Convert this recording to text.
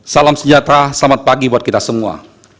salam sejahtera selamat pagi buat kita semua